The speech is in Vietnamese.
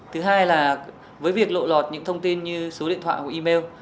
thứ hai là với việc lộ lọt những thông tin như số điện thoại hoặc email